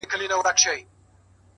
هره ورځ د ودې امکان لري؛